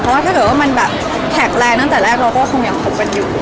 เพราะว่าถ้าเกิดว่ามันแบบแข็งแรงตั้งแต่แรกเราก็คงยังคบกันอยู่